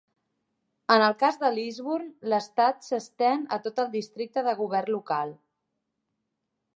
En el cas de Lisburn, l'estat s'estén a tot el districte de govern local.